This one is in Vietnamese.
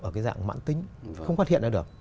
ở cái dạng mãn tính không phát hiện ra được